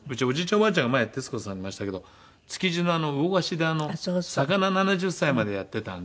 おばあちゃんが前徹子さんに言いましたけど築地の魚河岸で魚７０歳までやってたんで。